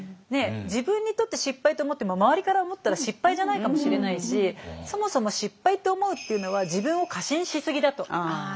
自分にとって失敗って思っても周りから思ったら失敗じゃないかもしれないしそもそも失敗と思うっていうのは自分を過信しすぎだと。